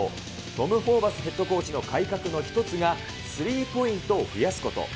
トム・ホーバスヘッドコーチの改革の一つが、スリーポイントをふやすこと。